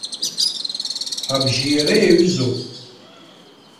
Абжьы иара иаҩызоуп.